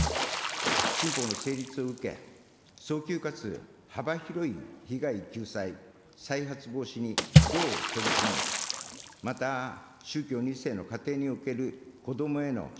新法の成立を受け、早急かつ幅広い被害救済、再発防止にどう取り組むのか、また、宗教２世の家庭における子どもへの